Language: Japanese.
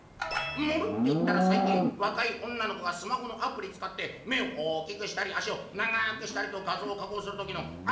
「『盛る』っていったらさい近わかい女の子がスマホのアプリつかって目を大きくしたり足を長くしたりと画像を加工する時のアレだよね？」。